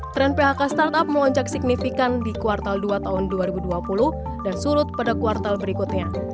tren phk startup melonjak signifikan di kuartal dua tahun dua ribu dua puluh dan surut pada kuartal berikutnya